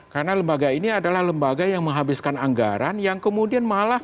karena lembaga ini adalah lembaga yang menghabiskan anggaran yang kemudian malah